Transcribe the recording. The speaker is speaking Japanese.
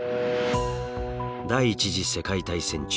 第１次世界大戦中